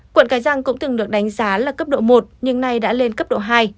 quận cái răng cũng từng được đánh giá là cấp độ một nhưng nay đã lên cấp độ hai